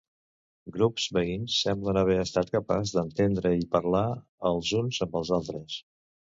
Grups veïns semblen haver estat capaç d'entendre i parlar els uns amb els altres.